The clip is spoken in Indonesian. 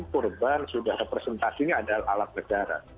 korban sudah representasinya adalah alat negara